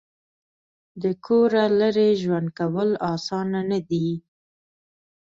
د کوره لرې ژوند کول اسانه نه دي.